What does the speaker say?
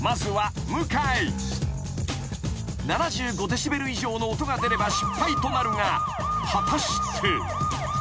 デシベル以上の音が出れば失敗となるが果たして］